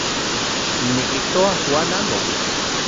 Nikijtoa Juan amo uits.